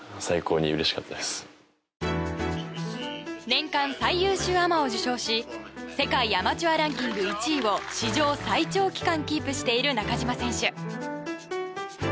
年間最優秀アマを受賞し世界アマチュアランキング１位を史上最長期間キープしている中島選手。